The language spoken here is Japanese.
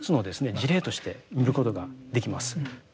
事例として見ることができます。